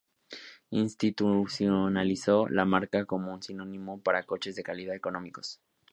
Institucionalizó la marca como un sinónimo para coches de calidad económicos.